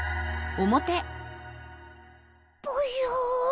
ぽよ！